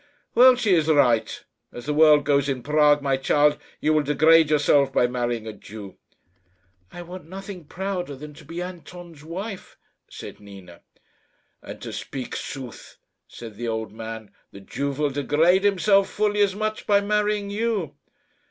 Well, she is right. As the world goes in Prague, my child, you will degrade yourself by marrying a Jew." "I want nothing prouder than to be Anton's wife," said Nina. "And to speak sooth," said the old man, "the Jew will degrade himself fully as much by marrying you."